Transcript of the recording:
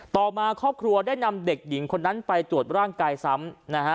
ต่อมาครอบครัวได้นำเด็กหญิงคนนั้นไปตรวจร่างกายซ้ำนะฮะ